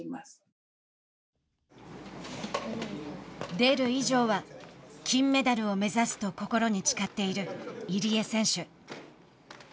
出る以上は金メダルを目指すと心に誓っている入江選手。